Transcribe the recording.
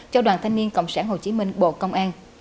cho đoàn thanh niên cộng sản hồ chí minh bộ công an